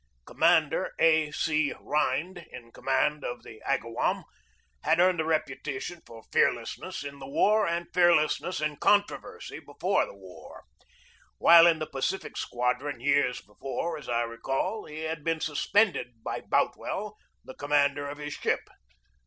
Commander A. C. Rhind, in command of the Agawam, had earned a reputation for fearlessness in the war and fearlessness in controversy before the war. While in the Pacific Squadron years before, as I recall, he had been suspended by Boutwell, the commander of his ship.